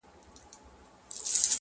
نا امیده له قاضي له حکومته .!